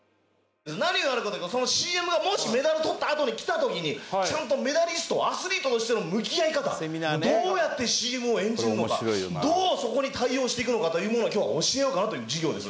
何をやるかというとそのＣＭがもしメダル取ったあとに来た時にちゃんとメダリストアスリートとしての向き合い方どうやってＣＭを演じるのかどうそこに対応していくのかというものを今日は教えようかなという授業です。